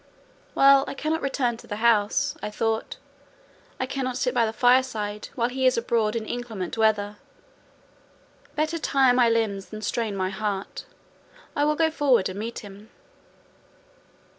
"Well, I cannot return to the house," I thought; "I cannot sit by the fireside, while he is abroad in inclement weather: better tire my limbs than strain my heart; I will go forward and meet him."